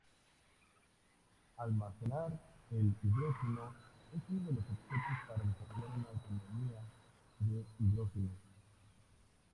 Almacenar el hidrógeno es uno de los objetivos para desarrollar una economía de hidrógeno.